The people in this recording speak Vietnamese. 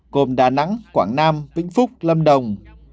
cùng đà nẵng quảng nam vĩnh phúc lâm đồng